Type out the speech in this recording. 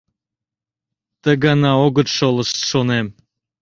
Ты гана огыт шолышт, шонем.